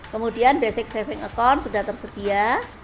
kemudian basic saving account sudah tersedia